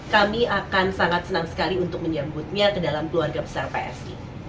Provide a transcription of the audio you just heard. kami akan sangat senang sekali untuk menyambutnya ke dalam keluarga besar psi